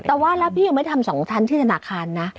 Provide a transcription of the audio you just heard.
แต่ว่าแล้วพี่ยังไม่ทำ๒ท่านที่ธนาคารนะ